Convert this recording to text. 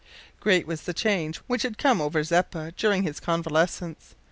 Great was the change which had come over Zeppa during his convalescence.